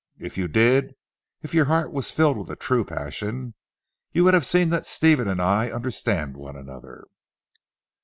If you did; if your heart was filled with a true passion, you would have seen that Stephen and I understand one another.